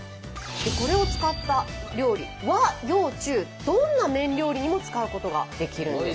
これを使った料理和洋中どんな麺料理にも使うことができるんです。